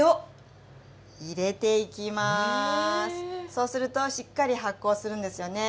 ⁉そうするとしっかり発酵するんですよね。